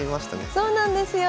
そうなんですよ。